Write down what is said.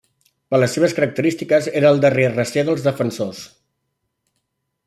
Per les seves característiques era el darrer recer dels defensors.